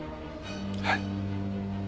はい。